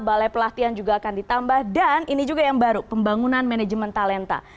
balai pelatihan juga akan ditambah dan ini juga yang baru pembangunan manajemen talenta